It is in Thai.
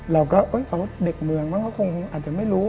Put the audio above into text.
เราก็เด็กเมืองมั้งก็คงอาจจะไม่รู้